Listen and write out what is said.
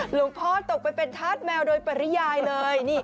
หลวงพ่อตกไปเป็นธาตุแมวโดยปริยายเลย